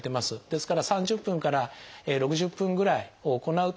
ですから３０分から６０分ぐらいを行うとですね